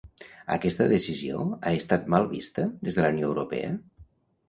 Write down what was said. Aquesta decisió ha estat mal vista des de la Unió Europea?